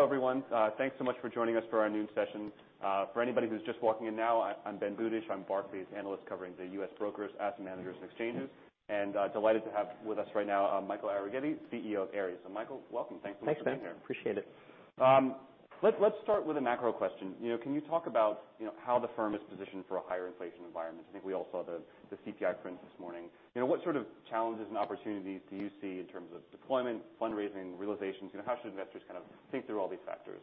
All right. Hello everyone. Thanks so much for joining us for our noon session. For anybody who's just walking in now, I'm Ben Budish, a Barclays analyst covering the U.S. brokers, asset managers, and exchanges, and delighted to have with us right now, Michael Arougheti, CEO of Ares. Michael, welcome. Thanks so much for being here. Thanks, Ben. Appreciate it. Let's start with a macro question. You know, can you talk about, you know, how the firm is positioned for a higher inflation environment? I think we all saw the CPI prints this morning. You know, what sort of challenges and opportunities do you see in terms of deployment, fundraising, realizations? You know, how should investors kind of think through all these factors?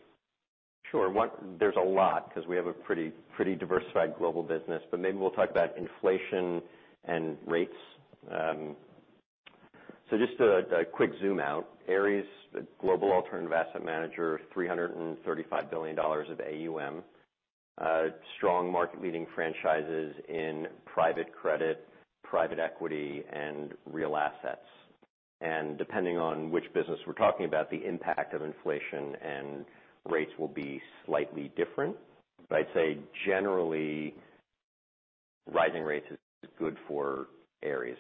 Sure. There's a lot 'cause we have a pretty diversified global business, but maybe we'll talk about inflation and rates. Just a quick zoom out. Ares, a global alternative asset manager, $335 billion of AUM, strong market-leading franchises in private credit, private equity, and real assets. Depending on which business we're talking about, the impact of inflation and rates will be slightly different. I'd say generally, rising rates is good for Ares.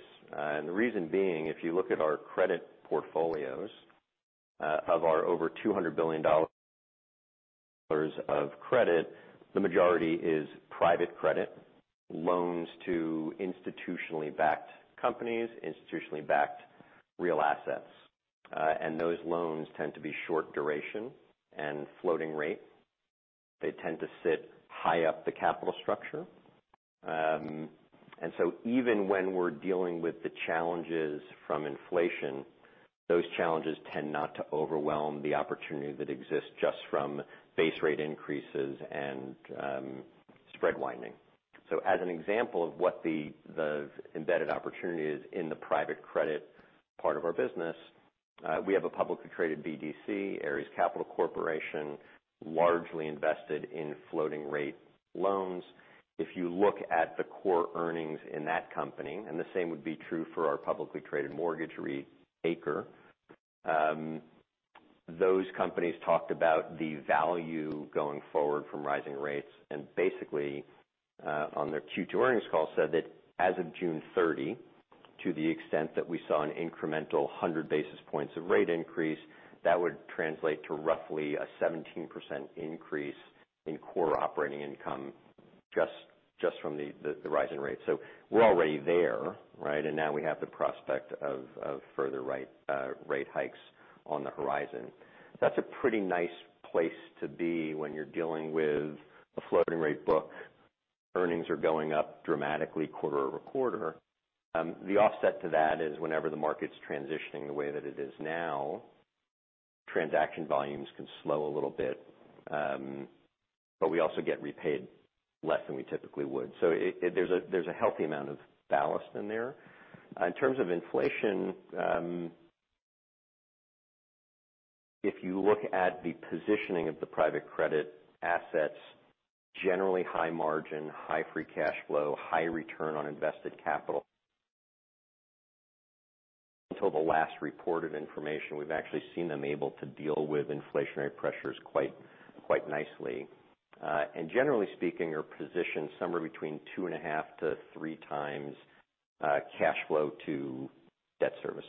The reason being, if you look at our credit portfolios, of our over $200 billion of credit, the majority is private credit, loans to institutionally backed companies, institutionally backed real assets. Those loans tend to be short duration and floating rate. They tend to sit high up the capital structure. Even when we're dealing with the challenges from inflation, those challenges tend not to overwhelm the opportunity that exists just from base rate increases and spread widening. As an example of what the embedded opportunity is in the private credit part of our business, we have a publicly traded BDC, Ares Capital Corporation, largely invested in floating rate loans. If you look at the core earnings in that company, and the same would be true for our publicly traded mortgage REIT, ACRE, those companies talked about the value going forward from rising rates, and basically on their Q2 earnings call said that as of June 30, to the extent that we saw an incremental 100 basis points of rate increase, that would translate to roughly a 17% increase in core operating income just from the rising rates. We're already there, right? Now we have the prospect of further rate hikes on the horizon. That's a pretty nice place to be when you're dealing with a floating rate book. Earnings are going up dramatically quarter-over-quarter. The offset to that is whenever the market's transitioning the way that it is now, transaction volumes can slow a little bit, but we also get repaid less than we typically would. There's a healthy amount of ballast in there. In terms of inflation, if you look at the positioning of the private credit assets, generally high margin, high free cash flow, high return on invested capital. Until the last report on inflation, we've actually seen them able to deal with inflationary pressures quite nicely. Generally speaking, are positioned somewhere between 2.5x-3x cash flow to debt service.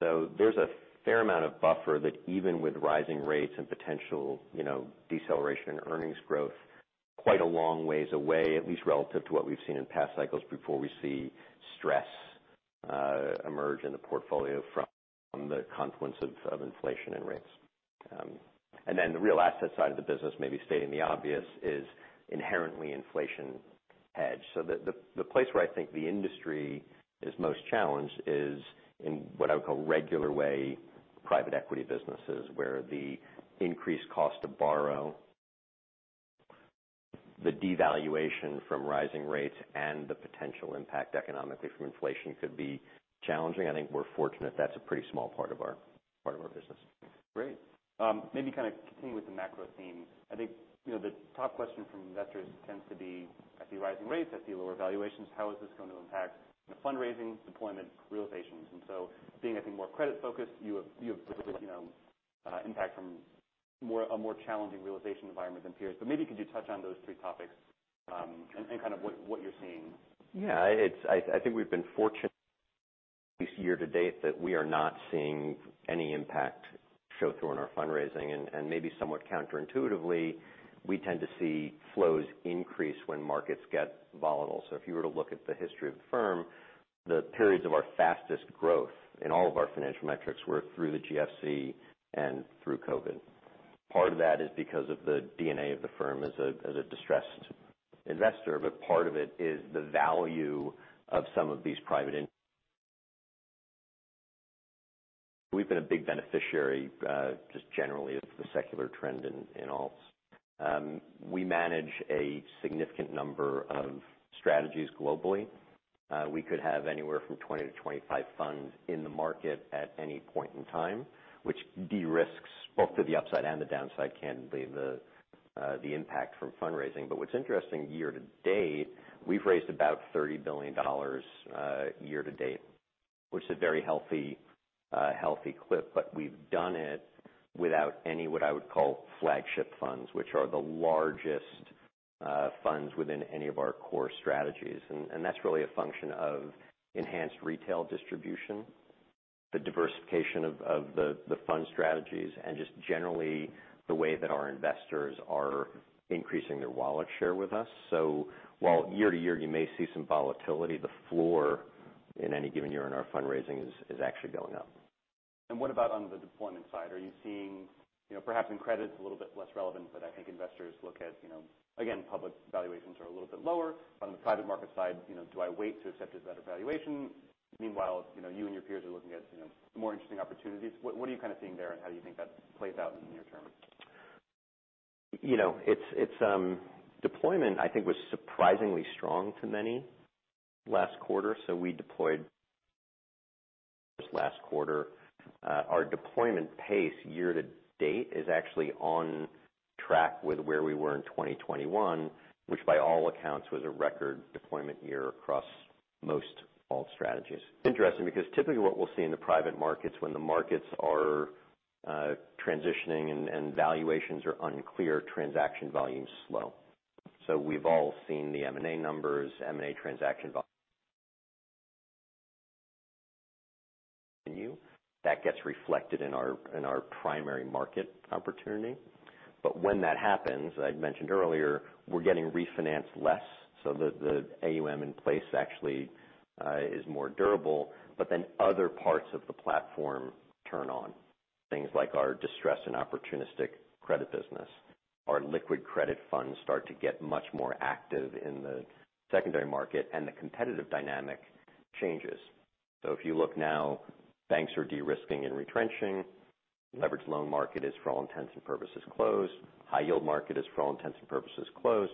There's a fair amount of buffer that even with rising rates and potential, you know, deceleration in earnings growth, quite a long ways away, at least relative to what we've seen in past cycles, before we see stress emerge in the portfolio from the confluence of inflation and rates. The real asset side of the business, maybe stating the obvious, is inherently inflation hedged. The place where I think the industry is most challenged is in what I would call regular way private equity businesses, where the increased cost to borrow, the devaluation from rising rates, and the potential impact economically from inflation could be challenging. I think we're fortunate that's a pretty small part of our business. Great. Maybe kind of continue with the macro theme. I think, you know, the top question from investors tends to be, I see rising rates, I see lower valuations, how is this going to impact the fundraising, deployment, realizations? Being I think more credit-focused, you have, you know, impact from a more challenging realization environment than peers. Maybe could you touch on those three topics, and kind of what you're seeing? I think we've been fortunate, year to date, that we are not seeing any impact show through in our fundraising. Maybe somewhat counterintuitively, we tend to see flows increase when markets get volatile. If you were to look at the history of the firm, the periods of our fastest growth in all of our financial metrics were through the GFC and through COVID. Part of that is because of the DNA of the firm as a distressed investor. We've been a big beneficiary, just generally, of the secular trend in alts. We manage a significant number of strategies globally. We could have anywhere from 20-25 funds in the market at any point in time, which de-risks both to the upside and the downside, candidly, the impact from fundraising. What's interesting year to date, we've raised about $30 billion, which is a very healthy clip, but we've done it without any, what I would call flagship funds, which are the largest funds within any of our core strategies. That's really a function of enhanced retail distribution, the diversification of the fund strategies, and just generally the way that our investors are increasing their wallet share with us. While year to year you may see some volatility, the floor in any given year in our fundraising is actually going up. What about on the deployment side? Are you seeing you know, perhaps in credit it's a little bit less relevant, but I think investors look at, you know, again, public valuations are a little bit lower on the private market side. You know, do I wait to accept this better valuation? Meanwhile, you know, you and your peers are looking at, you know, more interesting opportunities. What are you kind of seeing there, and how do you think that plays out in the near term? You know, its deployment, I think, was surprisingly strong to many last quarter. We deployed this last quarter. Our deployment pace year to date is actually on track with where we were in 2021, which by all accounts was a record deployment year across most alt strategies. Interesting, because typically what we'll see in the private markets when the markets are transitioning and valuations are unclear, transaction volumes slow. We've all seen the M&A numbers, M&A transaction volumes. That gets reflected in our primary market opportunity. When that happens, I'd mentioned earlier, we're getting refinanced less so that the AUM in place actually is more durable. Other parts of the platform turn on, things like our distress and opportunistic credit business. Our liquid credit funds start to get much more active in the secondary market, and the competitive dynamic changes. If you look now, banks are de-risking and retrenching. Leveraged loan market is, for all intents and purposes, closed. High yield market is, for all intents and purposes, closed.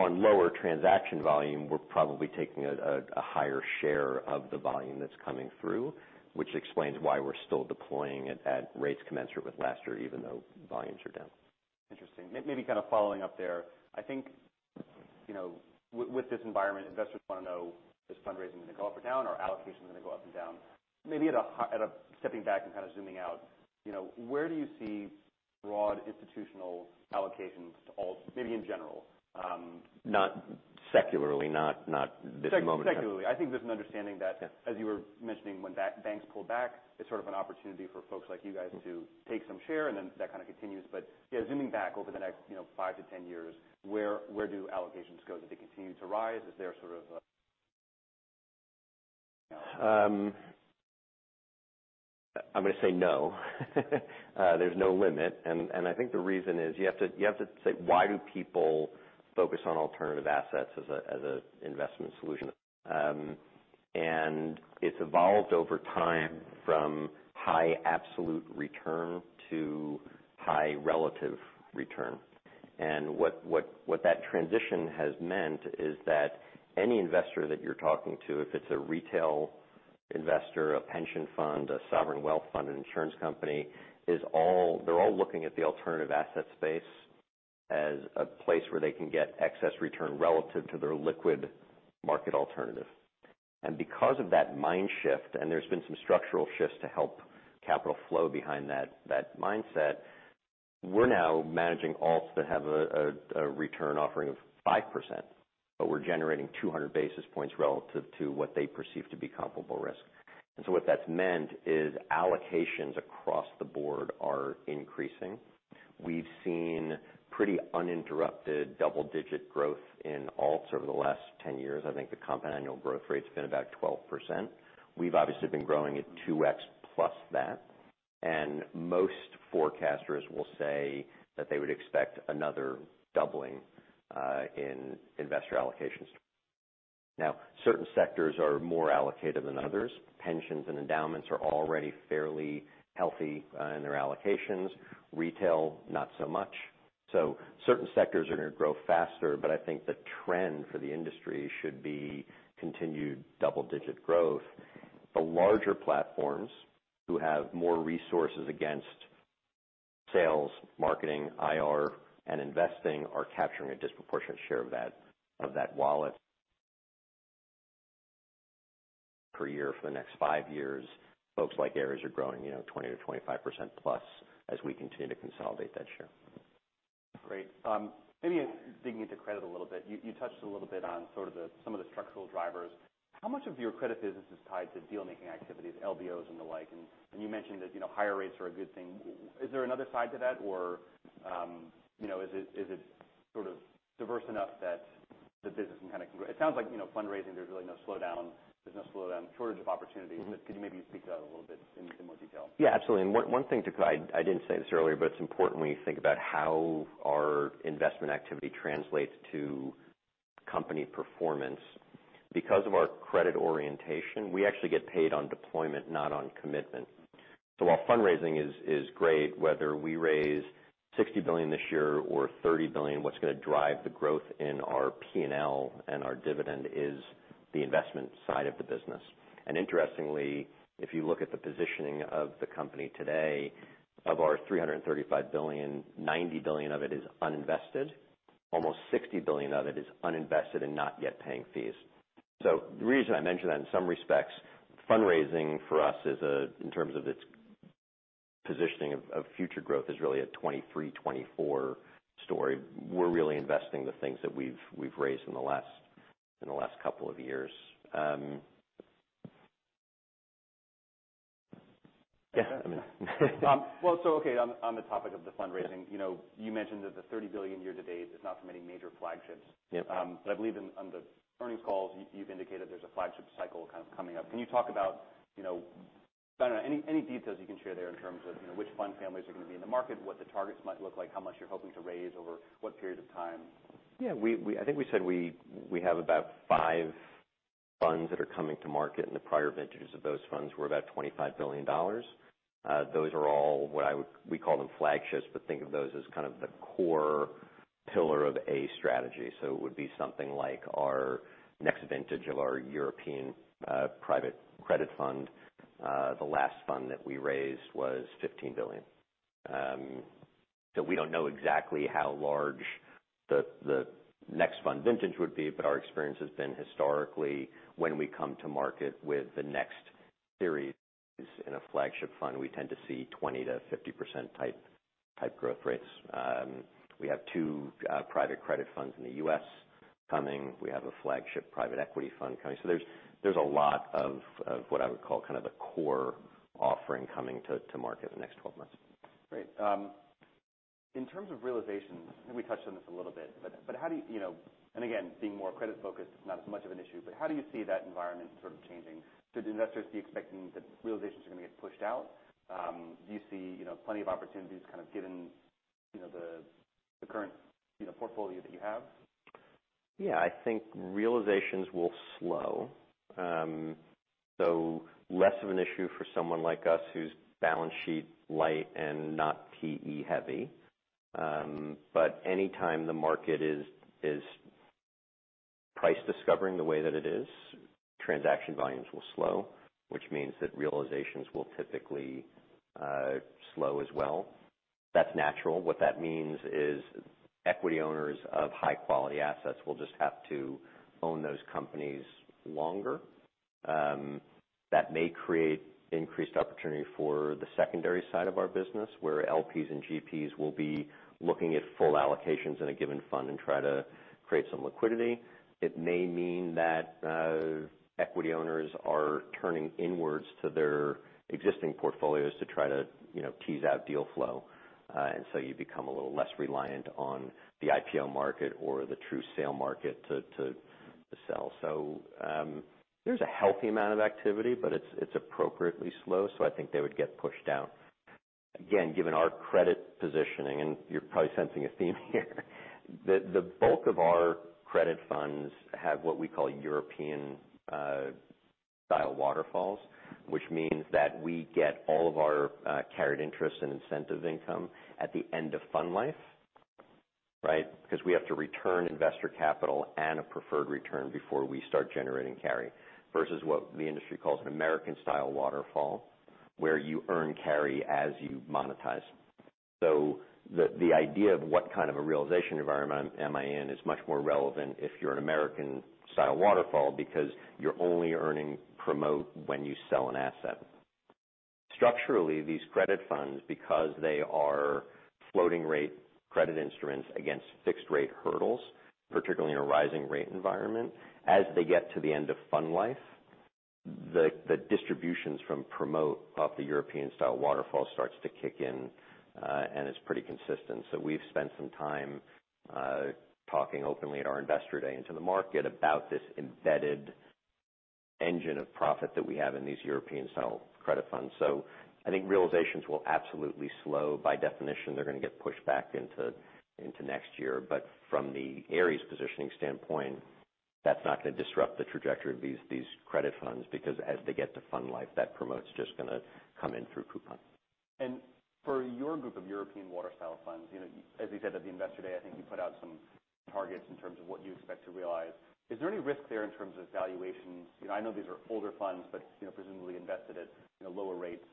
On lower transaction volume, we're probably taking a higher share of the volume that's coming through, which explains why we're still deploying at rates commensurate with last year, even though volumes are down. Interesting. Maybe kind of following up there, I think, you know, with this environment, investors wanna know if fundraising is gonna go up or down, are allocations gonna go up and down. Stepping back and kind of zooming out, you know, where do you see broad institutional allocations to alts, maybe in general? Not secularly, not this moment in time. Secularly. I think there's an understanding that. Yeah. As you were mentioning, when banks pull back, it's sort of an opportunity for folks like you guys to take some share, and then that kind of continues. Yeah, zooming back over the next, you know, 5-10 years, where do allocations go? Do they continue to rise? Is there sort of a. I'm gonna say no. There's no limit. I think the reason is you have to say why do people focus on alternative assets as a investment solution? It's evolved over time from high absolute return to high relative return. What that transition has meant is that any investor that you're talking to, if it's a retail investor, a pension fund, a sovereign wealth fund, an insurance company, they're all looking at the alternative asset space as a place where they can get excess return relative to their liquid market alternative. Because of that mind shift, and there's been some structural shifts to help capital flow behind that mindset, we're now managing alts that have a return offering of 5%, but we're generating 200 basis points relative to what they perceive to be comparable risk. What that's meant is allocations across the board are increasing. We've seen pretty uninterrupted double-digit growth in alts over the last 10 years. I think the compound annual growth rate's been about 12%. We've obviously been growing at 2x plus that. Most forecasters will say that they would expect another doubling in investor allocations. Now, certain sectors are more allocated than others. Pensions and endowments are already fairly healthy in their allocations. Retail, not so much. Certain sectors are gonna grow faster, but I think the trend for the industry should be continued double-digit growth. The larger platforms who have more resources against sales, marketing, IR and investing are capturing a disproportionate share of that wallet. Per year for the next five years, folks like Ares are growing, you know, 20%-25%+ as we continue to consolidate that share. Great. Maybe digging into credit a little bit. You touched a little bit on some of the structural drivers. How much of your credit business is tied to deal-making activities, LBOs and the like? You mentioned that, you know, higher rates are a good thing. Is there another side to that? You know, is it sort of diverse enough that the business can kind of grow? It sounds like, you know, fundraising, there's really no slowdown. There's no slowdown, shortage of opportunities. Mm-hmm. Could you maybe speak to that a little bit in more detail? Yeah, absolutely. One thing I didn't say this earlier, but it's important when you think about how our investment activity translates to company performance. Because of our credit orientation, we actually get paid on deployment, not on commitment. While fundraising is great, whether we raise $60 billion this year or $30 billion, what's gonna drive the growth in our P&L and our dividend is the investment side of the business. Interestingly, if you look at the positioning of the company today, of our $335 billion, $90 billion of it is uninvested. Almost $60 billion of it is uninvested and not yet paying fees. The reason I mention that in some respects, fundraising for us is, in terms of its positioning of future growth, really a 2023-2024 story. We're really investing the things that we've raised in the last couple of years. Yeah. Yeah, I mean. Well, okay, on the topic of the fundraising, you know, you mentioned that the $30 billion year to date is not from any major flagships. Yep. I believe on the earnings calls, you've indicated there's a flagship cycle kind of coming up. Can you talk about, you know, I don't know, any details you can share there in terms of, you know, which fund families are gonna be in the market, what the targets might look like, how much you're hoping to raise over what period of time? I think we said we have about five funds that are coming to market, and the prior vintages of those funds were about $25 billion. Those are all what we call them flagships, but think of those as kind of the core pillar of a strategy. It would be something like our next vintage of our European private credit fund. The last fund that we raised was $15 billion. We don't know exactly how large the next fund vintage would be, but our experience has been historically, when we come to market with the next series in a flagship fund, we tend to see 20%-50% type growth rates. We have two private credit funds in the U.S. coming. We have a flagship private equity fund coming. There's a lot of what I would call kind of the core offering coming to market in the next 12 months. Great. In terms of realizations, I think we touched on this a little bit, but, you know, being more credit-focused, it's not as much of an issue, but how do you see that environment sort of changing? Should investors be expecting that realizations are gonna get pushed out? Do you see, you know, plenty of opportunities kind of given, you know, the current, you know, portfolio that you have? Yeah. I think realizations will slow. Less of an issue for someone like us who's balance sheet light and not PE heavy. Any time the market is price discovering the way that it is, transaction volumes will slow, which means that realizations will typically slow as well. That's natural. What that means is equity owners of high quality assets will just have to own those companies longer. That may create increased opportunity for the secondary side of our business, where LPs and GPs will be looking at full allocations in a given fund and try to create some liquidity. It may mean that equity owners are turning inwards to their existing portfolios to try to, you know, tease out deal flow, and so you become a little less reliant on the IPO market or the true sale market to sell. There's a healthy amount of activity, but it's appropriately slow, so I think they would get pushed out. Again, given our credit positioning, and you're probably sensing a theme here, the bulk of our credit funds have what we call European style waterfalls, which means that we get all of our carried interest and incentive income at the end of fund life, right? Because we have to return investor capital and a preferred return before we start generating carry. Versus what the industry calls an American style waterfall, where you earn carry as you monetize. The idea of what kind of a realization environment am I in is much more relevant if you're an American waterfall, because you're only earning promote when you sell an asset. Structurally, these credit funds, because they are floating rate credit instruments against fixed rate hurdles, particularly in a rising rate environment, as they get to the end of fund life, the distributions from promote off the European waterfall starts to kick in, and it's pretty consistent. We've spent some time talking openly at our Investor Day into the market about this embedded engine of profit that we have in these European waterfall credit funds. I think realizations will absolutely slow. By definition, they're gonna get pushed back into next year. From the Ares positioning standpoint, that's not gonna disrupt the trajectory of these credit funds because as they get to fund life, that promote's just gonna come in through coupon. For your group of European waterfall funds, you know, as you said at the Investor Day, I think you put out some targets in terms of what you expect to realize. Is there any risk there in terms of valuations? You know, I know these are older funds, but, you know, presumably invested at, you know, lower rates.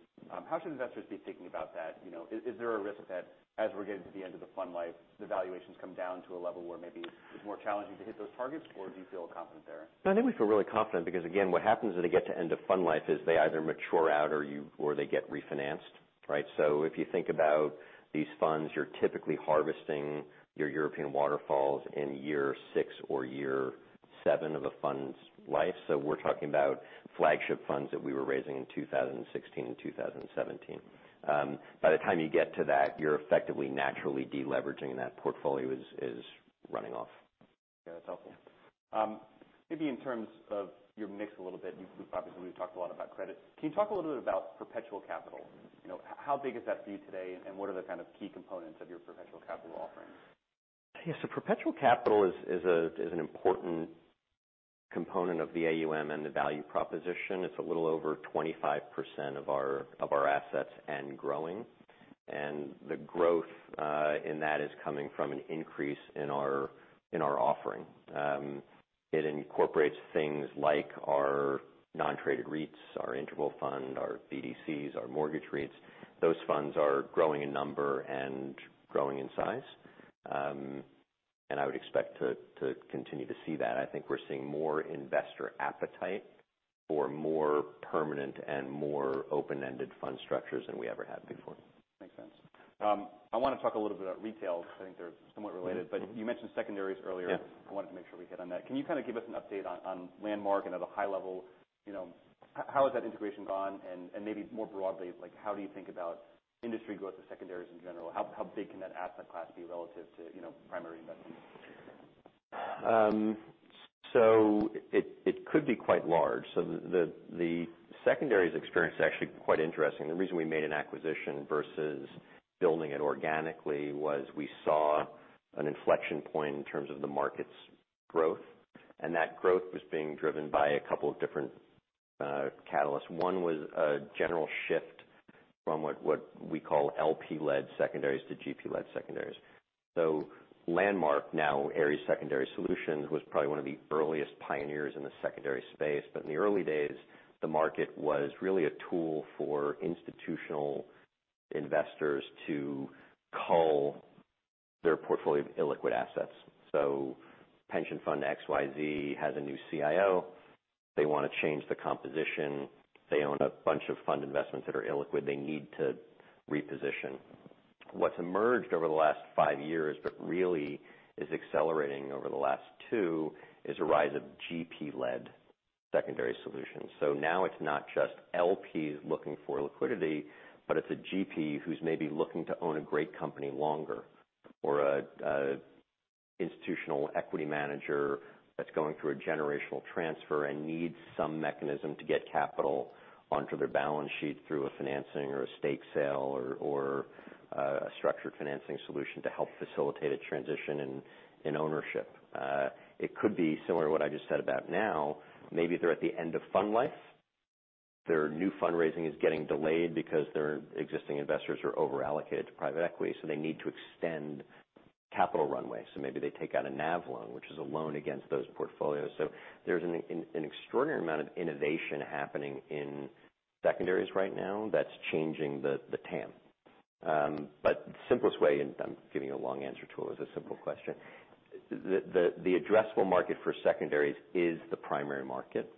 How should investors be thinking about that? You know, is there a risk that as we're getting to the end of the fund life, the valuations come down to a level where maybe it's more challenging to hit those targets, or do you feel confident there? No, I think we feel really confident because again, what happens when they get to end of fund life is they either mature out or they get refinanced, right? If you think about these funds, you're typically harvesting your European waterfalls in year 6 or year 7 of a fund's life. We're talking about flagship funds that we were raising in 2016 and 2017. By the time you get to that, you're effectively naturally de-leveraging and that portfolio is running off. Yeah. That's helpful. Maybe in terms of your mix a little bit, we've obviously talked a lot about credit. Can you talk a little bit about perpetual capital? You know, how big is that for you today, and what are the kind of key components of your perpetual capital offerings? Yeah. Perpetual capital is an important component of the AUM and the value proposition. It's a little over 25% of our assets and growing. The growth in that is coming from an increase in our offering. It incorporates things like our non-traded REITs, our interval fund, our BDCs, our mortgage REITs. Those funds are growing in number and growing in size. I would expect to continue to see that. I think we're seeing more investor appetite for more permanent and more open-ended fund structures than we ever had before. Makes sense. I wanna talk a little bit about retail, 'cause I think they're somewhat related. Mm-hmm. You mentioned secondaries earlier. Yeah. I wanted to make sure we hit on that. Can you kind of give us an update on Landmark and at a high level, you know, how has that integration gone? Maybe more broadly, like how do you think about industry growth of secondaries in general? How big can that asset class be relative to, you know, primary investments? It could be quite large. The secondaries experience is actually quite interesting. The reason we made an acquisition versus building it organically was we saw an inflection point in terms of the market's growth, and that growth was being driven by a couple of different catalysts. One was a general shift from what we call LP-led secondaries to GP-led secondaries. Landmark, now Ares Secondary Solutions, was probably one of the earliest pioneers in the secondary space. In the early days, the market was really a tool for institutional investors to cull their portfolio of illiquid assets. Pension fund XYZ has a new CIO. They wanna change the composition. They own a bunch of fund investments that are illiquid they need to reposition. What's emerged over the last five years, but really is accelerating over the last two, is a rise of GP-led secondary solutions. Now it's not just LPs looking for liquidity, but it's a GP who's maybe looking to own a great company longer, or an institutional equity manager that's going through a generational transfer and needs some mechanism to get capital onto their balance sheet through a financing or a stake sale or a structured financing solution to help facilitate a transition in ownership. It could be similar to what I just said about now, maybe they're at the end of fund life. Their new fundraising is getting delayed because their existing investors are overallocated to private equity, so they need to extend capital runway. Maybe they take out a NAV loan, which is a loan against those portfolios. There's an extraordinary amount of innovation happening in secondaries right now that's changing the TAM. The simplest way, and I'm giving a long answer to what was a simple question, the addressable market for secondaries is the primary market.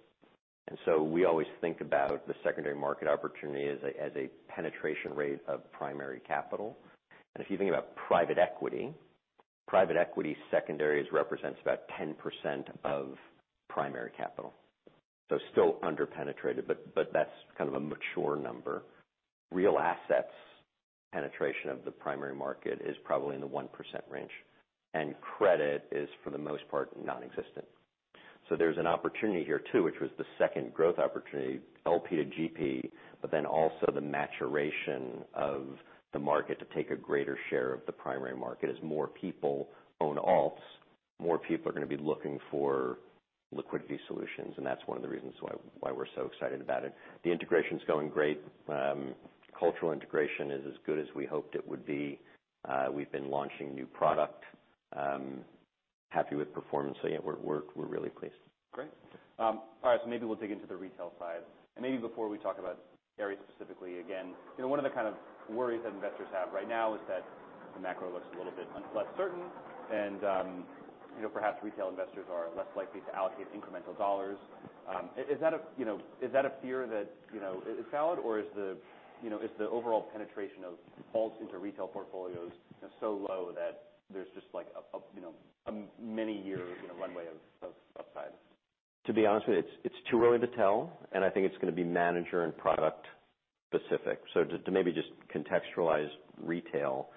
We always think about the secondary market opportunity as a penetration rate of primary capital. If you think about private equity, private equity secondaries represents about 10% of primary capital. Still under-penetrated, but that's kind of a mature number. Real assets penetration of the primary market is probably in the 1% range, and credit is, for the most part, nonexistent. There's an opportunity here too, which was the second growth opportunity, LP to GP, but then also the maturation of the market to take a greater share of the primary market. As more people own alts, more people are gonna be looking for liquidity solutions, and that's one of the reasons why we're so excited about it. The integration's going great. Cultural integration is as good as we hoped it would be. We've been launching new product. Happy with performance. Yeah, we're really pleased. Great. All right, maybe we'll dig into the retail side. Maybe before we talk about Ares specifically again, you know, one of the kind of worries that investors have right now is that the macro looks a little bit uncertain and, you know, perhaps retail investors are less likely to allocate incremental dollars. Is that a, you know, is that a fear that, you know, is valid, or is the, you know, is the overall penetration of alts into retail portfolios, you know, so low that there's just like a, you know, a many year, you know, runway of upside? To be honest with you, it's too early to tell, and I think it's gonna be manager and product specific. Just to maybe just contextualize retail,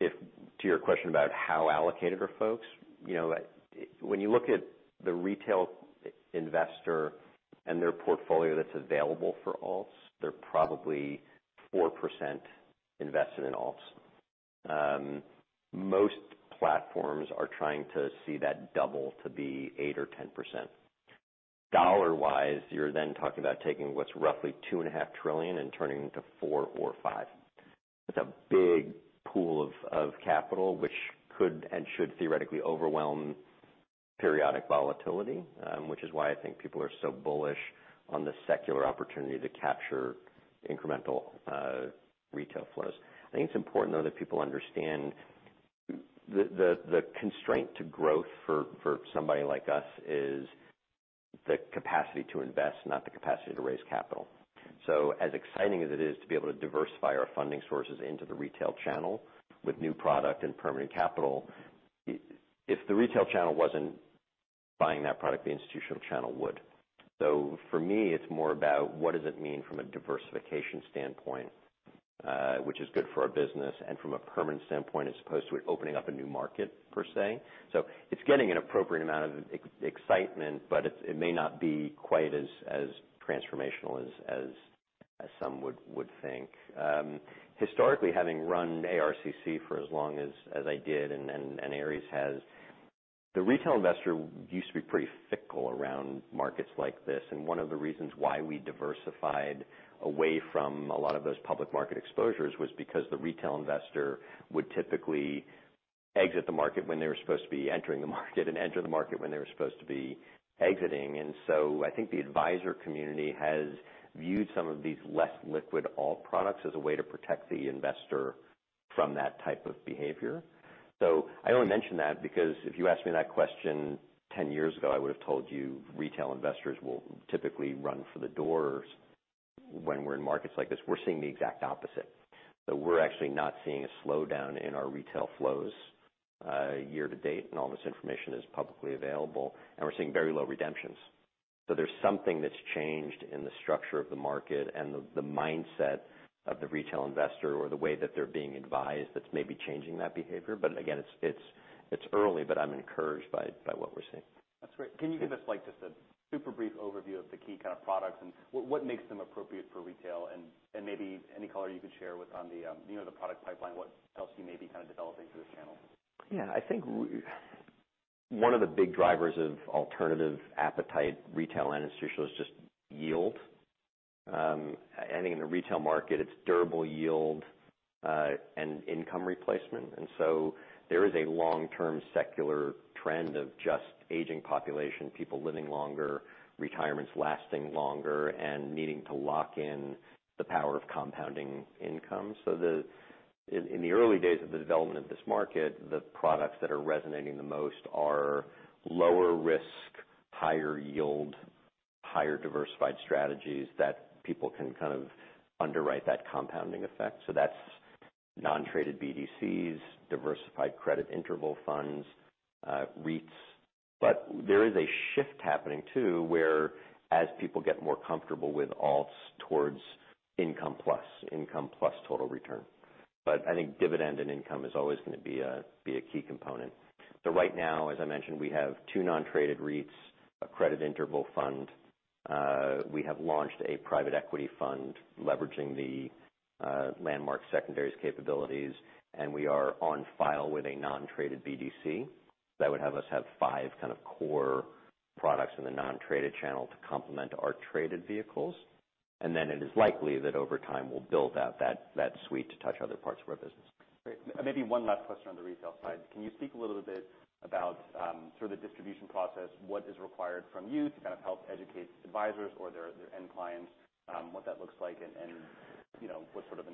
to your question about how allocated are folks, you know, when you look at the retail investor and their portfolio that's available for alts, they're probably 4% invested in alts. Most platforms are trying to see that double to be 8% or 10%. Dollar-wise, you're then talking about taking what's roughly $2.5 trillion and turning it into $4 trillion or $5 trillion. That's a big pool of capital, which could and should theoretically overwhelm periodic volatility, which is why I think people are so bullish on the secular opportunity to capture incremental retail flows. I think it's important, though, that people understand the constraint to growth for somebody like us is the capacity to invest, not the capacity to raise capital. As exciting as it is to be able to diversify our funding sources into the retail channel with new product and permanent capital, if the retail channel wasn't buying that product, the institutional channel would. For me, it's more about what does it mean from a diversification standpoint, which is good for our business and from a permanent standpoint as opposed to opening up a new market per se. It's getting an appropriate amount of excitement, but it may not be quite as transformational as some would think. Historically, having run ARCC for as long as I did, and Ares has, the retail investor used to be pretty fickle around markets like this. One of the reasons why we diversified away from a lot of those public market exposures was because the retail investor would typically exit the market when they were supposed to be entering the market and enter the market when they were supposed to be exiting. I think the advisor community has viewed some of these less liquid alt products as a way to protect the investor from that type of behavior. I only mention that because if you asked me that question ten years ago, I would have told you retail investors will typically run for the doors when we're in markets like this. We're seeing the exact opposite, that we're actually not seeing a slowdown in our retail flows, year to date, and all this information is publicly available, and we're seeing very low redemptions. There's something that's changed in the structure of the market and the mindset of the retail investor or the way that they're being advised that's maybe changing that behavior. Again, it's early, but I'm encouraged by what we're seeing. That's great. Can you give us, like, just a super brief overview of the key kind of products and what makes them appropriate for retail? Maybe any color you could share on the, you know, the product pipeline, what else you may be kind of developing for this channel. Yeah, I think one of the big drivers of alternative appetite retail and institutional is just yield. I think in the retail market, it's durable yield, and income replacement. There is a long-term secular trend of just aging population, people living longer, retirements lasting longer, and needing to lock in the power of compounding income. In the early days of the development of this market, the products that are resonating the most are lower risk, higher yield, higher diversified strategies that people can kind of underwrite that compounding effect. That's non-traded BDCs, diversified credit interval funds, REITs. There is a shift happening too, whereas people get more comfortable with alts towards income plus, income plus total return. I think dividend and income is always gonna be a key component. Right now, as I mentioned, we have two non-traded REITs, a credit interval fund. We have launched a private equity fund leveraging the Landmark secondaries capabilities, and we are on file with a non-traded BDC that would have us have five kind of core products in the non-traded channel to complement our traded vehicles. It is likely that over time we'll build out that suite to touch other parts of our business. Great. Maybe one last question on the retail side. Can you speak a little bit about, sort of the distribution process, what is required from you to kind of help educate advisors or their end clients, what that looks like and, you know, what sort of?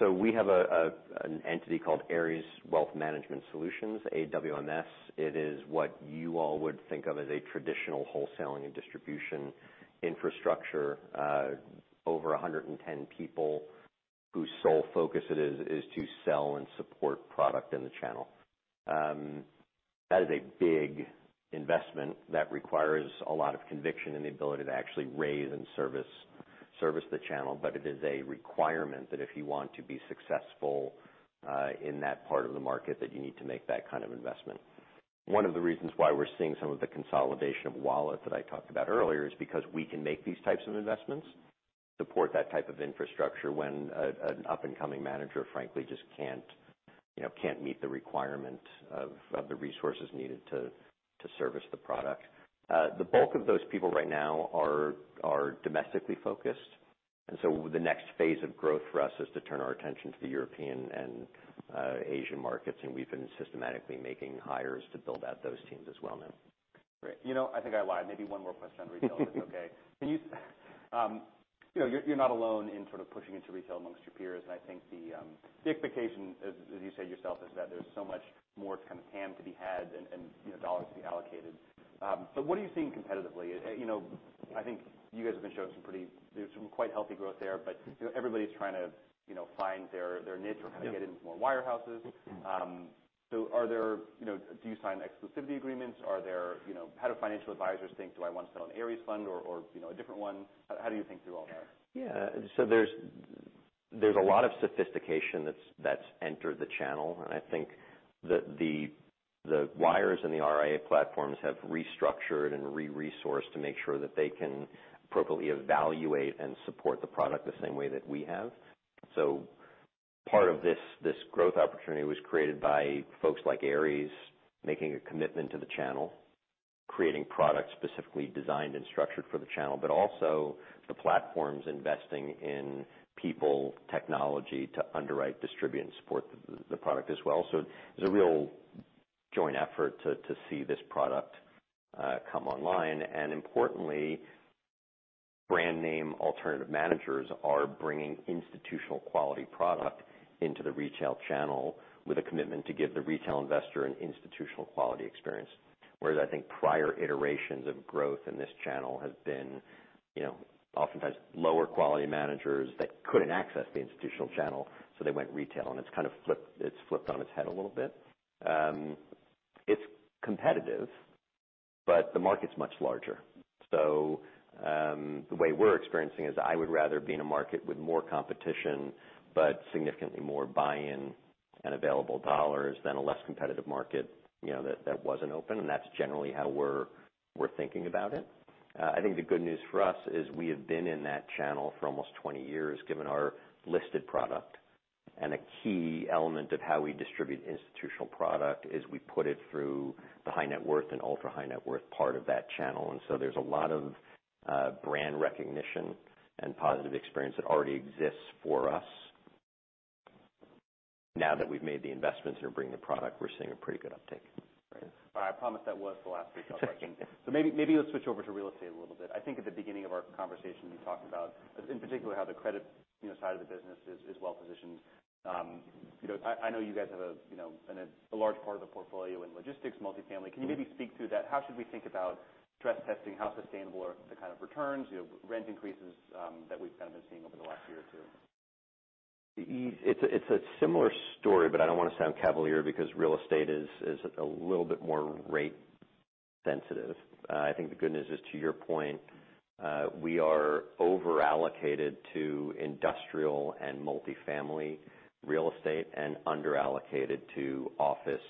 We have an entity called Ares Wealth Management Solutions, AWMS. It is what you all would think of as a traditional wholesaling and distribution infrastructure over 110 people whose sole focus is to sell and support product in the channel. That is a big investment that requires a lot of conviction and the ability to actually raise and service the channel. It is a requirement that if you want to be successful in that part of the market, that you need to make that kind of investment. One of the reasons why we're seeing some of the consolidation of wallet that I talked about earlier is because we can make these types of investments, support that type of infrastructure when an up-and-coming manager, frankly, just can't, you know, meet the requirement of the resources needed to service the product. The bulk of those people right now are domestically focused, and so the next phase of growth for us is to turn our attention to the European and Asian markets, and we've been systematically making hires to build out those teams as well now. Great. You know, I think I lied. Maybe one more question on retail, if it's okay. Can you know, you're not alone in sort of pushing into retail among your peers. I think the expectation, as you say yourself, is that there's so much more kind of TAM to be had and, you know, dollars to be allocated. What are you seeing competitively? You know, there's some quite healthy growth there, but, you know, everybody's trying to, you know, find their niche. Yeah. Kind of get into more wirehouses. Are there, you know, do you sign exclusivity agreements? Are there, you know, how do financial advisors think, do I want to sell an Ares fund or, you know, a different one? How do you think through all that? Yeah. There's a lot of sophistication that's entered the channel. I think the wires and the RIA platforms have restructured and re-resourced to make sure that they can appropriately evaluate and support the product the same way that we have. Part of this growth opportunity was created by folks like Ares making a commitment to the channel, creating products specifically designed and structured for the channel, but also the platforms investing in people, technology to underwrite, distribute, and support the product as well. It's a real joint effort to see this product come online. Importantly, brand name alternative managers are bringing institutional quality product into the retail channel with a commitment to give the retail investor an institutional quality experience. Whereas I think prior iterations of growth in this channel has been, you know, oftentimes lower quality managers that couldn't access the institutional channel, so they went retail, and it's kind of flipped on its head a little bit. It's competitive, but the market's much larger. The way we're experiencing is I would rather be in a market with more competition, but significantly more buy-in and available dollars than a less competitive market, you know, that wasn't open, and that's generally how we're thinking about it. I think the good news for us is we have been in that channel for almost 20 years, given our listed product. A key element of how we distribute institutional product is we put it through the high net worth and ultra high net worth part of that channel. There's a lot of brand recognition and positive experience that already exists for us. Now that we've made the investments and are bringing the product, we're seeing a pretty good uptake. All right. I promise that was the last retail question. Maybe let's switch over to real estate a little bit. I think at the beginning of our conversation, you talked about, in particular, how the credit, you know, side of the business is well-positioned. You know, I know you guys have a, you know, a large part of the portfolio in logistics, multifamily. Can you maybe speak to that? How should we think about stress testing? How sustainable are the kind of returns, you know, rent increases, that we've kind of been seeing over the last year or two? It's a similar story, but I don't wanna sound cavalier because real estate is a little bit more rate sensitive. I think the good news is, to your point, we are over-allocated to industrial and multifamily real estate and under-allocated to office,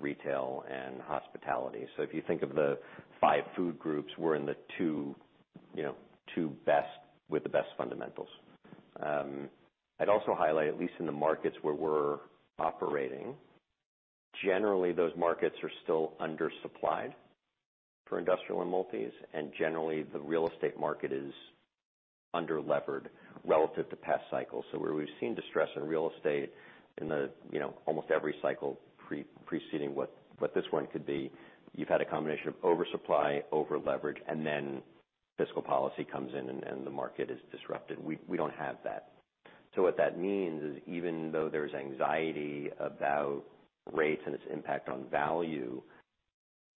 retail, and hospitality. If you think of the five food groups, we're in the two, you know, two best with the best fundamentals. I'd also highlight, at least in the markets where we're operating, generally those markets are still undersupplied for industrial and multis, and generally the real estate market is under-levered relative to past cycles. Where we've seen distress in real estate in the, you know, almost every cycle preceding what this one could be, you've had a combination of oversupply, over-leverage, and then fiscal policy comes in and the market is disrupted. We don't have that. What that means is even though there's anxiety about rates and its impact on value,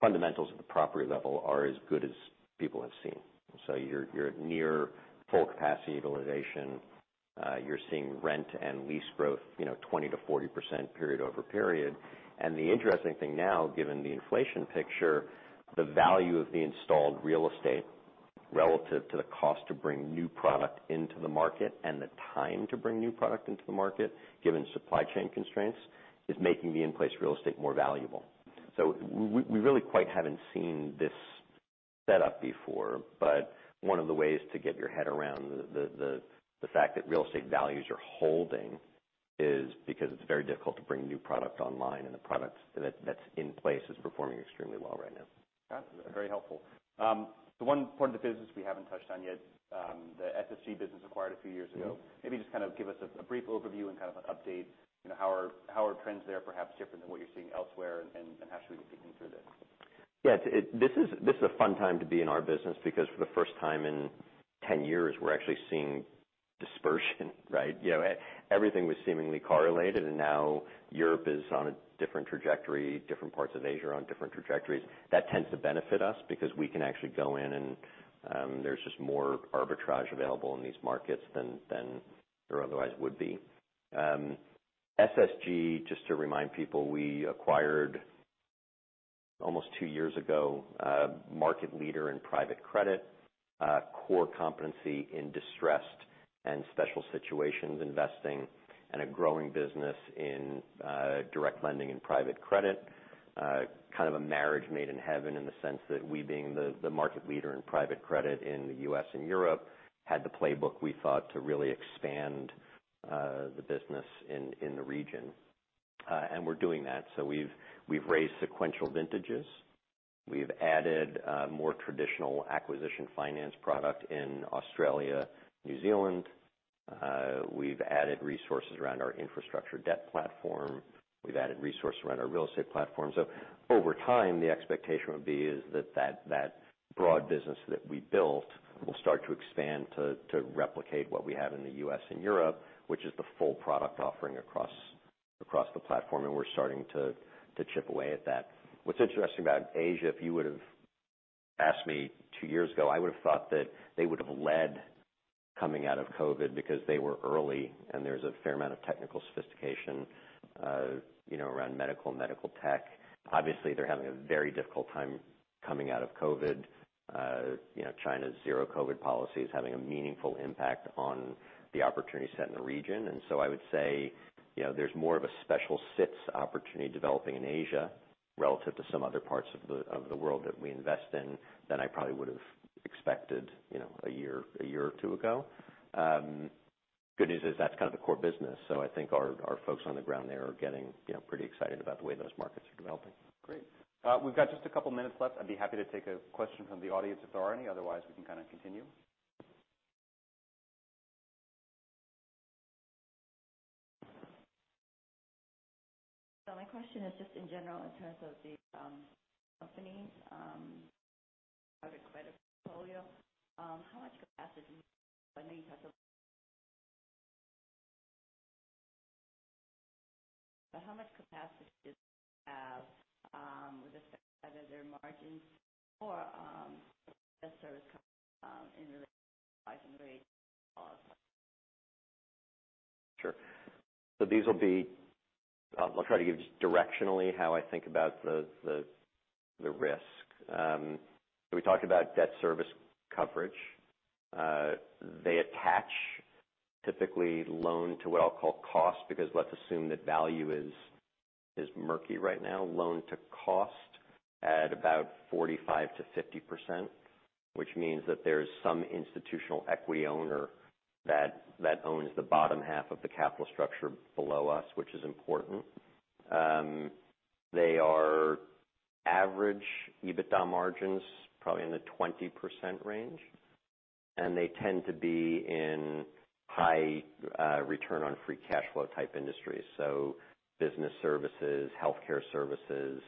fundamentals at the property level are as good as people have seen. You're near full capacity utilization. You're seeing rent and lease growth, you know, 20%-40% period over period. The interesting thing now, given the inflation picture, the value of the installed real estate relative to the cost to bring new product into the market and the time to bring new product into the market, given supply chain constraints, is making the in-place real estate more valuable. We really quite haven't seen this setup before, but one of the ways to get your head around the fact that real estate values are holding is because it's very difficult to bring new product online, and the product that's in place is performing extremely well right now. Got it. Very helpful. The one part of the business we haven't touched on yet, the SSG business acquired a few years ago. Maybe just kind of give us a brief overview and kind of an update. You know, how are trends there perhaps different than what you're seeing elsewhere, and how should we be thinking through this? Yeah. This is a fun time to be in our business because for the first time in 10 years, we're actually seeing dispersion, right? You know, everything was seemingly correlated, and now Europe is on a different trajectory, different parts of Asia are on different trajectories. That tends to benefit us because we can actually go in and there's just more arbitrage available in these markets than there otherwise would be. SSG, just to remind people, we acquired almost 2 years ago, a market leader in private credit, a core competency in distressed and special situations investing, and a growing business in direct lending and private credit. Kind of a marriage made in heaven in the sense that we being the market leader in private credit in the U.S. and Europe, had the playbook we thought to really expand the business in the region. We're doing that. We've raised sequential vintages. We've added more traditional acquisition finance product in Australia, New Zealand. We've added resources around our infrastructure debt platform. We've added resources around our real estate platform. Over time, the expectation would be is that that broad business that we built will start to expand to replicate what we have in the U.S. and Europe, which is the full product offering across the platform, and we're starting to chip away at that. What's interesting about Asia, if you would've asked me two years ago, I would've thought that they would've led coming out of COVID because they were early, and there's a fair amount of technical sophistication, you know, around medical and medical tech. Obviously, they're having a very difficult time coming out of COVID. You know, China's zero COVID policy is having a meaningful impact on the opportunity set in the region. I would say, you know, there's more of a special situations opportunity developing in Asia relative to some other parts of the world that we invest in than I probably would've expected, you know, a year or two ago. Good news is that's kind of the core business. I think our folks on the ground there are getting, you know, pretty excited about the way those markets are developing. Great. We've got just a couple minutes left. I'd be happy to take a question from the audience if there are any. Otherwise, we can kind of continue. My question is just in general in terms of the company's private credit portfolio. How much capacity does it have with respect to either their margins or their service coverage in relation to pricing rates and costs? Sure. I'll try to give just directionally how I think about the risk. We talked about debt service coverage. They attach typically loan to what I'll call cost, because let's assume that value is murky right now. Loan to cost at about 45%-50%, which means that there's some institutional equity owner that owns the bottom half of the capital structure below us, which is important. They are average EBITDA margins, probably in the 20% range. They tend to be in high return on free cash flow type industries. Business services, healthcare services.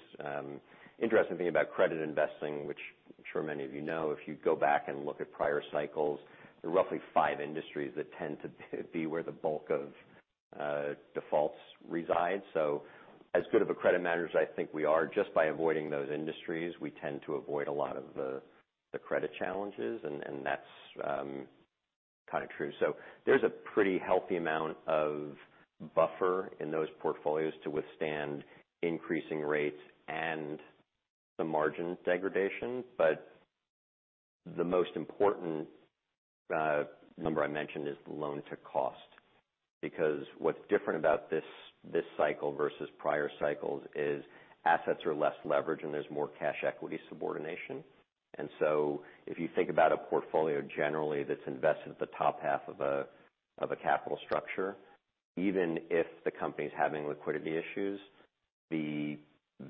Interesting thing about credit investing, which I'm sure many of you know, if you go back and look at prior cycles, there are roughly five industries that tend to be where the bulk of defaults reside. As good of a credit managers I think we are, just by avoiding those industries, we tend to avoid a lot of the credit challenges, and that's kind of true. There's a pretty healthy amount of buffer in those portfolios to withstand increasing rates and the margin degradation. The most important number I mentioned is the loan to cost, because what's different about this cycle versus prior cycles is assets are less leveraged, and there's more cash equity subordination. If you think about a portfolio generally that's invested at the top half of a capital structure, even if the company's having liquidity issues, the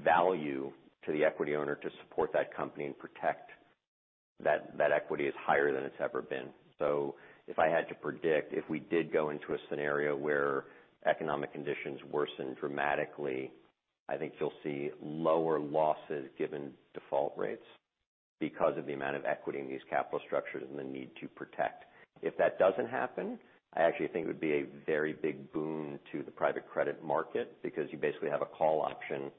value to the equity owner to support that company and protect that equity is higher than it's ever been. If I had to predict, if we did go into a scenario where economic conditions worsen dramatically, I think you'll see lower losses given default rates because of the amount of equity in these capital structures and the need to protect. If that doesn't happen, I actually think it would be a very big boon to the private credit market because you basically have a call option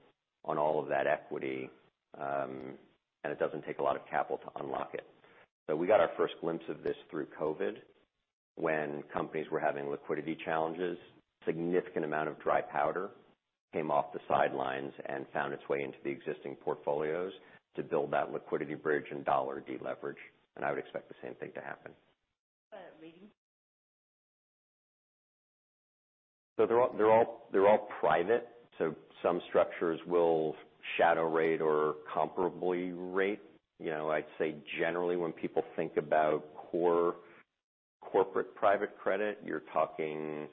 on all of that equity, and it doesn't take a lot of capital to unlock it. We got our first glimpse of this through COVID when companies were having liquidity challenges. Significant amount of dry powder came off the sidelines and found its way into the existing portfolios to build that liquidity bridge and dollar deleverage. I would expect the same thing to happen. They're all private. Some structures will shadow rate or comparable rate. You know, I'd say generally when people think about core corporate private credit, you're talking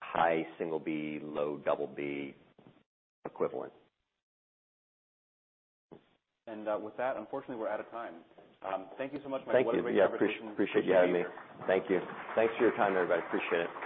high single B, low double B equivalent. With that, unfortunately, we're out of time. Thank you so much, Mike. What a great presentation. Thank you. Yeah, appreciate you having me. Thank you. Thanks for your time, everybody. Appreciate it.